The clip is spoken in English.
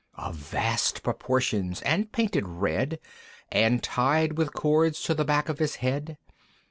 Of vast proportions and painted red, And tied with cords to the back of his head.